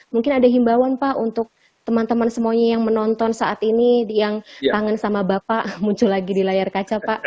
mungkin ada himbawan pak untuk teman teman semuanya yang menonton saat ini yang kangen sama bapak muncul lagi di layar kaca pak